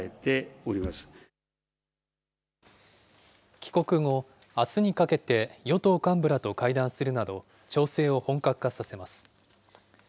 帰国後、あすにかけて、与党幹部らと会談するなど、調整を本格化させます。